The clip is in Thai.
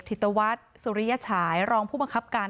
ติดต่อวัดสุริยชายรองผู้บังคับการณ์